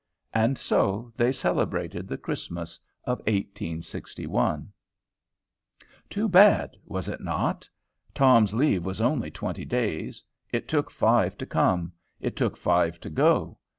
And so they celebrated the Christmas of 1861. Too bad! was not it? Tom's leave was only twenty days. It took five to come. It took five to go.